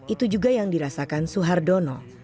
itu juga yang dirasakan suhardono